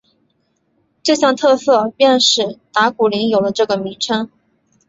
这项特色便使打鼓岭有了这个名称。